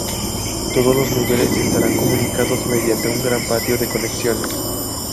Todos los niveles estarán comunicados mediante un gran patio de conexiones.